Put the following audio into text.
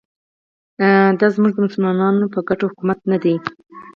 دا د مسلمانانو په ګټه حکومت نه دی